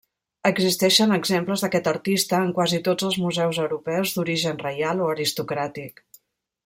Existeixen exemples d'aquest artista en quasi tots els museus europeus d'origen reial o aristocràtic.